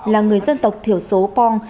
là người dân tộc thiểu số pong